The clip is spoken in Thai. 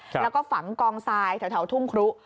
แล้วก็ฝังกองทรายแถวทุ่งครุ